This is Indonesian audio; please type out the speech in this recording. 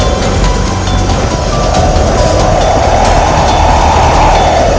itu udah gila